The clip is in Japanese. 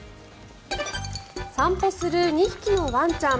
散歩する２匹のワンちゃん。